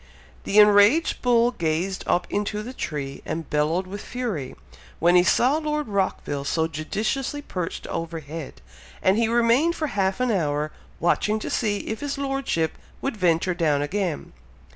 The enraged bull gazed up into the tree and bellowed with fury, when he saw Lord Rockville so judiciously perched overhead, and he remained for half an hour, watching to see if his Lordship would venture down again.